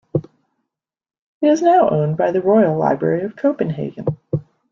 It is now owned by the Royal Library of Copenhagen.